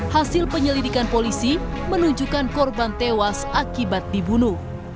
hasil penyelidikan polisi menunjukkan korban tewas akibat dibunuh